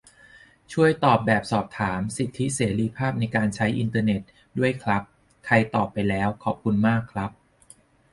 ช่วยตอบแบบสอบถาม "สิทธิเสรีภาพในการใช้อินเทอร์เน็ต" ด้วยครับ ใครตอบไปแล้ว ขอบคุณมากครับ